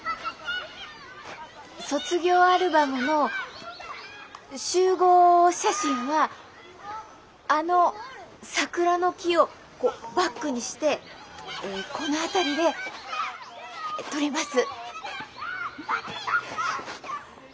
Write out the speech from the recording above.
卒業アルバムの集合写真はあの桜の木をバックにしてこの辺りで撮ります。